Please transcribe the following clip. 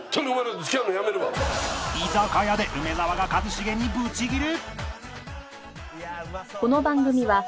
居酒屋で梅沢が一茂にぶち切れ！